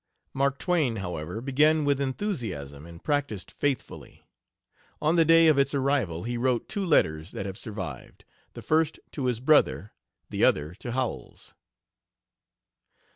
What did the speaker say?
Mark Twain, however, began with enthusiasm and practised faithfully. On the day of its arrival he wrote two letters that have survived, the first to his brother, the other to Howells.